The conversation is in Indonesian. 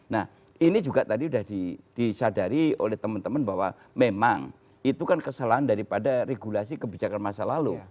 nah ini juga tadi sudah disadari oleh teman teman bahwa memang itu kan kesalahan daripada regulasi kebijakan masa lalu